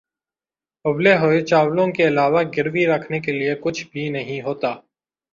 اُبلے ہوئے چاولوں کے علاوہ گروی رکھنے کے لیے کچھ بھی نہیں ہوتا